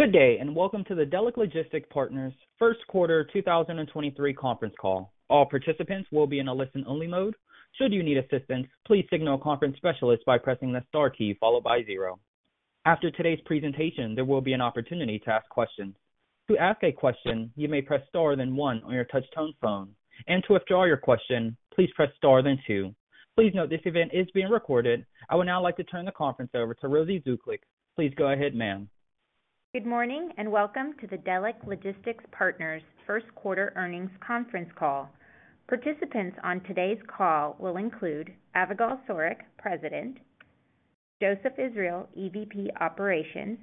Good day, and welcome to the Delek Logistics Partners Q1 2023 conference call. All participants will be in a listen only mode. Should you need assistance, please signal a conference specialist by pressing the star key followed by zero. After today's presentation, there will be an opportunity to ask questions. To ask a question, you may press star then one on your touch tone phone, and to withdraw your question, please press star then two. Please note this event is being recorded. I would now like to turn the conference over to Rosy Zuklic. Please go ahead, ma'am. Good morning and welcome to the Delek Logistics Partners Q1 earnings conference call. Participants on today's call will include Avigal Soreq, President, Joseph Israel, EVP Operations,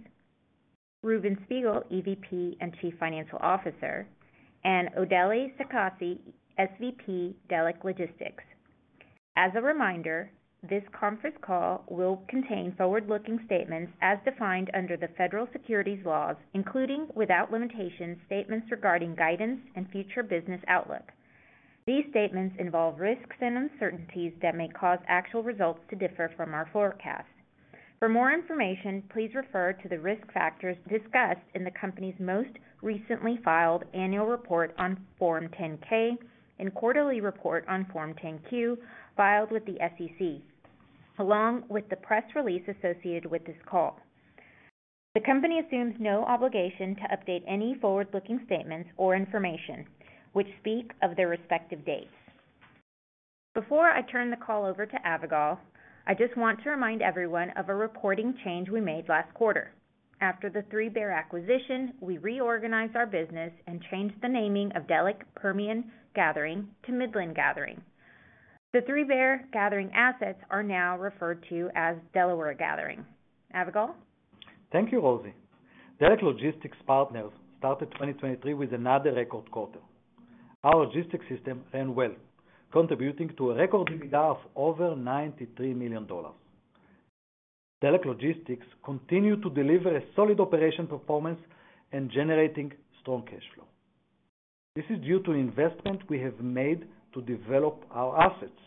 Reuven Spiegel, EVP and Chief Financial Officer, and Odely Sakazi, SVP, Delek Logistics. As a reminder, this conference call will contain forward-looking statements as defined under the Federal Securities laws, including without limitation statements regarding guidance and future business outlook. These statements involve risks and uncertainties that may cause actual results to differ from our forecast. For more information, please refer to the risk factors discussed in the company's most recently filed annual report on Form 10-K and quarterly report on Form 10-Q filed with the SEC, along with the press release associated with this call. The company assumes no obligation to update any forward-looking statements or information which speak of their respective dates. Before I turn the call over to Avigal, I just want to remind everyone of a reporting change we made last quarter. After the 3Bear acquisition, we reorganized our business and changed the naming of Delek Permian Gathering to Midland Gathering. The 3Bear gathering assets are now referred to as Delaware Gathering. Avigal? Thank you, Rosy. Delek Logistics Partners started 2023 with another record quarter. Our logistics system ran well, contributing to a record EBITDA of over $93 million. Delek Logistics continued to deliver a solid operation performance and generating strong cash flow. This is due to investment we have made to develop our assets.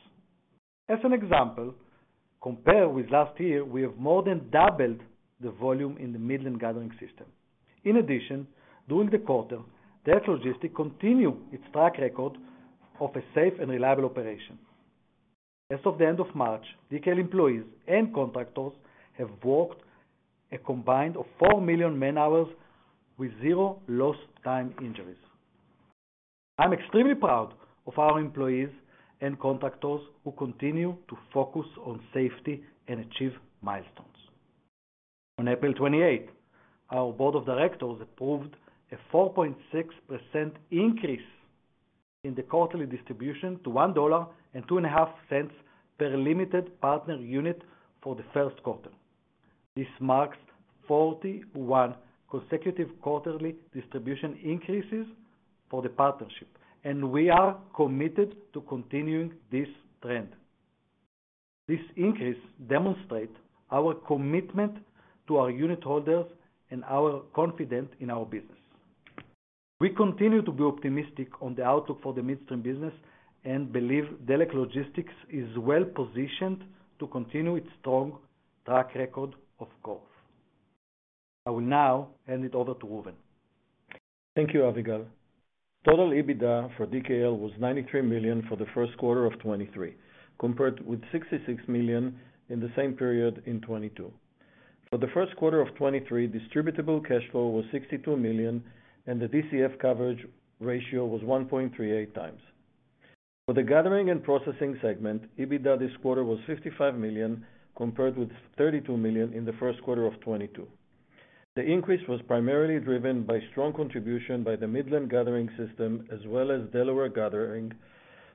As an example, compared with last year, we have more than doubled the volume in the Midland Gathering system. In addition, during the quarter, Delek Logistics continue its track record of a safe and reliable operation. As of the end of March, DKL employees and contractors have worked a combined of 4 million man-hours with zero lost time injuries. I'm extremely proud of our employees and contractors who continue to focus on safety and achieve milestones. On April 28th, our board of directors approved a 4.6% increase in the quarterly distribution to $1.025 per limited partner unit for the Q1. This marks 41 consecutive quarterly distribution increases for the partnership, and we are committed to continuing this trend. This increase demonstrate our commitment to our unit holders and our confidence in our business. We continue to be optimistic on the outlook for the midstream business and believe Delek Logistics is well-positioned to continue its strong track record of growth. I will now hand it over to Reuven. Thank you, Avigal. Total EBITDA for DKL was $93 million for the Q1 of 2023, compared with $66 million in the same period in 2022. For the Q1 of 2023, distributable cash flow was $62 million, and the DCF coverage ratio was 1.38 times. For the gathering and processing segment, EBITDA this quarter was $55 million, compared with $32 million in the Q1 of 2022. The increase was primarily driven by strong contribution by the Midland Gathering system as well as Delaware Gathering,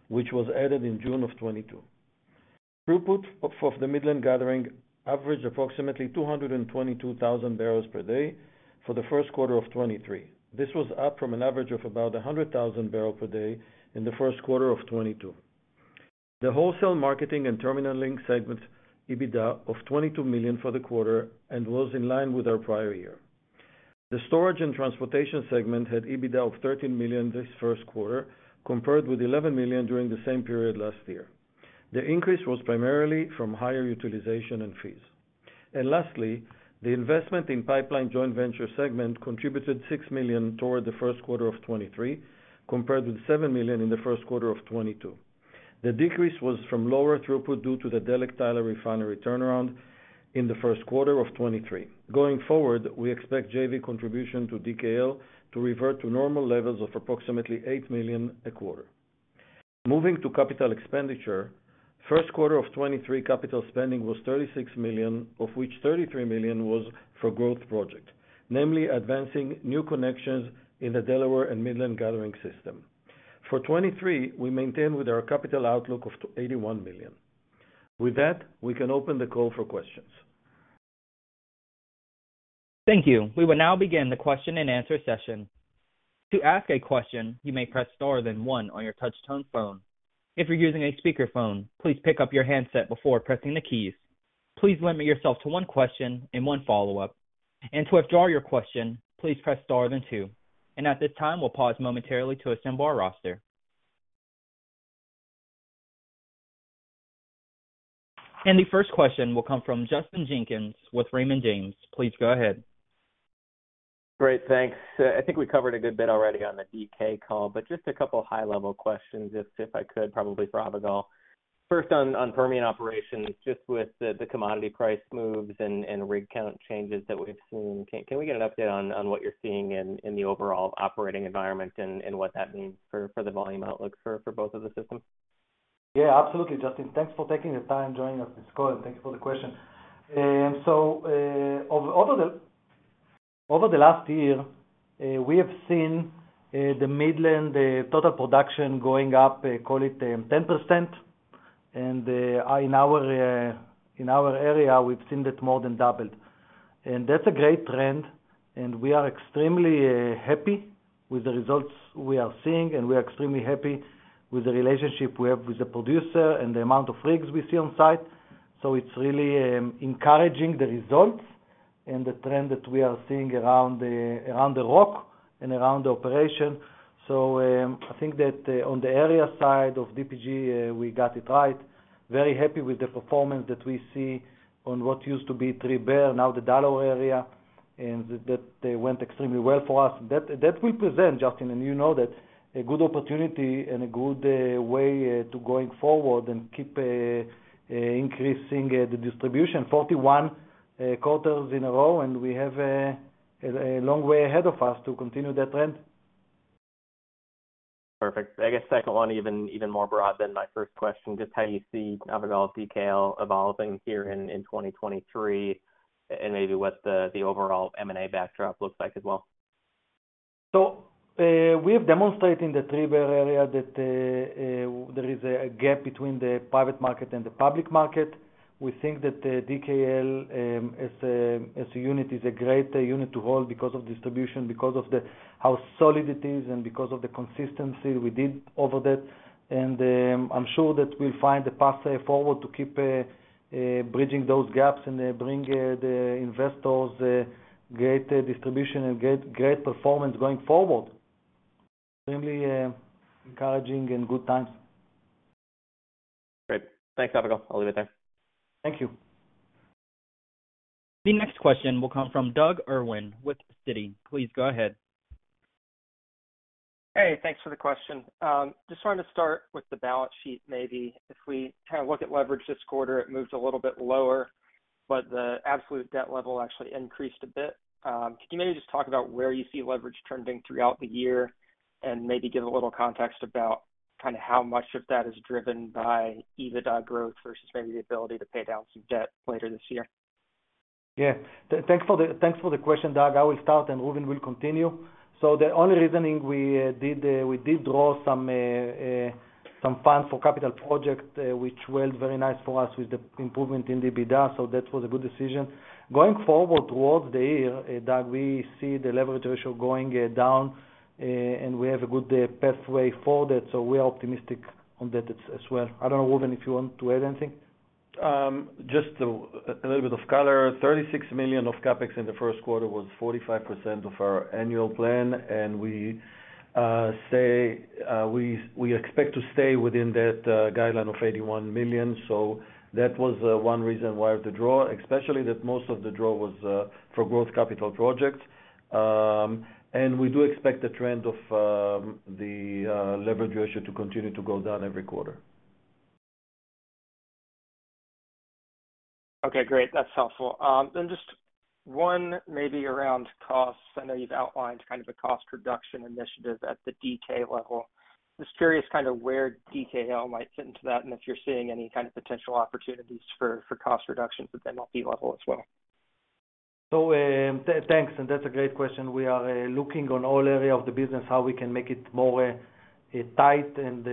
which was added in June of 2022. Throughput of the Midland Gathering averaged approximately 222,000 barrels per day for the Q1 of 2023. This was up from an average of about 100,000 barrel per day in the Q1 of 2022. The wholesale marketing and terminal link segment EBITDA of $22 million for the quarter and was in line with our prior year. The storage and transportation segment had EBITDA of $13 million this Q1, compared with $11 million during the same period last year. The increase was primarily from higher utilization and fees. Lastly, the investment in pipeline joint venture segment contributed $6 million toward the Q1 of 2023, compared with $7 million in the Q1 of 2022. The decrease was from lower throughput due to the Delek Tyler Refinery turnaround in the Q1 of 2023. Going forward, we expect JV contribution to DKL to revert to normal levels of approximately $8 million a quarter. Moving to capital expenditure, Q1 of 2023 capital spending was $36 million, of which $33 million was for growth project, namely advancing new connections in the Delaware and Midland Gathering system. For 2023, we maintain with our capital outlook of to $81 million. With that, we can open the call for questions. Thank you. We will now begin the question and answer session. To ask a question, you may press star then one on your touch tone phone. If you're using a speaker phone, please pick up your handset before pressing the keys. Please limit yourself to one question and one follow-up. To withdraw your question, please press star then two. At this time, we'll pause momentarily to assemble our roster. The first question will come from Justin Jenkins with Raymond James. Please go ahead. Great. Thanks. I think we covered a good bit already on the DK call, but just a couple of high-level questions if I could, probably for Avigal Soreq. First on Permian operations, just with the commodity price moves and rig count changes that we've seen, can we get an update on what you're seeing in the overall operating environment and what that means for the volume outlook for both of the systems? Yeah, absolutely, Justin. Thanks for taking the time joining us this call, and thank you for the question. So, over the last year, we have seen the Midland, the total production going up, call it, 10%. In our area, we've seen that more than doubled. That's a great trend, we are extremely happy with the results we are seeing, and we are extremely happy with the relationship we have with the producer and the amount of rigs we see on site. It's really encouraging the results and the trend that we are seeing around the rock and around the operation. I think that on the area side of DPG, we got it right. Very happy with the performance that we see on what used to be 3Bear, now the Delaware area, and that went extremely well for us. That will present, Justin, and you know that a good opportunity and a good way to going forward and keep increasing the distribution 41 quarters in a row, and we have a long way ahead of us to continue that trend. Perfect. I guess second one, even more broad than my first question, just how you see Avigal Soreq DKL evolving here in 2023, maybe what the overall M&A backdrop looks like as well. We have demonstrated in the 3Bear area that there is a gap between the private market and the public market. We think that DKL as a unit is a great unit to hold because of distribution, because of the how solid it is and because of the consistency we did over that. I'm sure that we'll find a pathway forward to keep bridging those gaps and bring the investors great distribution and great performance going forward. Extremely encouraging and good times. Great. Thanks, Avigal. I'll leave it there. Thank you. The next question will come from Doug Irwin with Citi. Please go ahead. Hey, thanks for the question. Just wanted to start with the balance sheet, maybe. If we kind of look at leverage this quarter, it moved a little bit lower, but the absolute debt level actually increased a bit. Can you maybe just talk about where you see leverage trending throughout the year and maybe give a little context about kind of how much of that is driven by EBITDA growth versus maybe the ability to pay down some debt later this year? Yeah. Thanks for the question, Doug. I will start, and Reuven will continue. The only reasoning we did draw some funds for capital project, which went very nice for us with the improvement in the EBITDA, so that was a good decision. Going forward towards the year, Doug, we see the leverage ratio going down, and we have a good pathway for that, so we are optimistic on that as well. I don't know, Reuven, if you want to add anything? Just a little bit of color. $36 million of CapEx in the Q1 was 45% of our annual plan, and we say we expect to stay within that guideline of $81 million. That was one reason why the draw, especially that most of the draw was for growth capital projects. We do expect the trend of the leverage ratio to continue to go down every quarter. Okay, great. That's helpful. Just one maybe around costs. I know you've outlined kind of a cost reduction initiative at the DK level. Just curious kind of where DKL might fit into that and if you're seeing any kind of potential opportunities for cost reductions at the MLP level as well. Thanks, and that's a great question. We are looking on all area of the business, how we can make it more tight and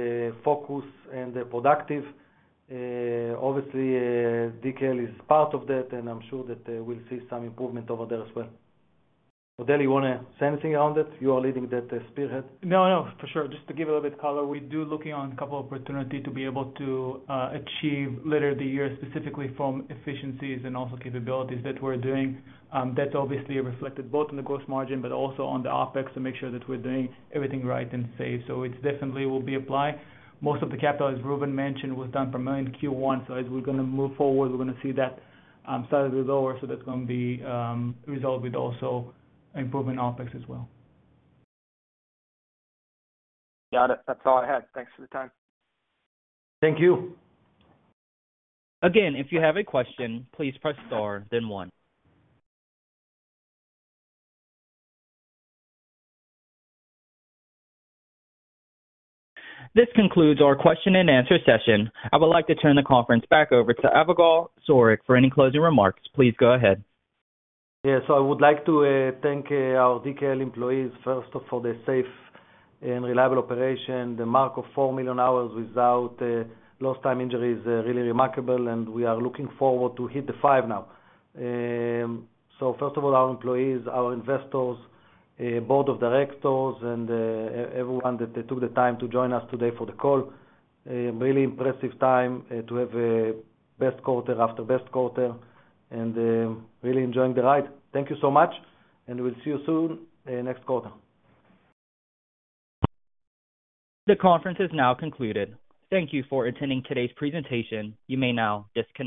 focused and productive. Obviously, DKL is part of that, and I'm sure that we'll see some improvement over there as well. Odely, wanna say anything around it? You are leading that spearhead. No, no, for sure. Just to give a little bit color, we do looking on a couple opportunity to be able to achieve later the year, specifically from efficiencies and also capabilities that we're doing. That obviously reflected both on the gross margin, but also on the OpEx to make sure that we're doing everything right and safe. It's definitely will be applied. Most of the capital, as Reuven mentioned, was done from Q1. As we're gonna move forward, we're gonna see that slightly lower, that's gonna be resolved with also improvement in OpEx as well. Got it. That's all I had. Thanks for the time. Thank you. Again, if you have a question, please press star then one. This concludes our question and answer session. I would like to turn the conference back over to Avigal Soreq for any closing remarks. Please go ahead. Yeah. I would like to thank our DKL employees, first of all, for the safe and reliable operation. The mark of 4 million hours without lost time injuries is really remarkable, and we are looking forward to hit the five now. First of all, our employees, our investors, board of directors and everyone that took the time to join us today for the call. A really impressive time to have best quarter after best quarter and really enjoying the ride. Thank you so much, and we'll see you soon, next quarter. The conference is now concluded. Thank you for attending today's presentation. You may now disconnect.